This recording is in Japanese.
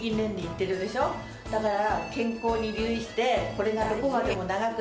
だから。